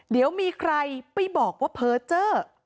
เดี๋ยวมีใครไปบอกว่าเพอร์เจอร์